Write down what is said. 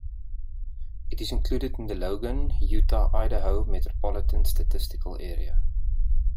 It is included in the Logan, Utah-Idaho Metropolitan Statistical Area.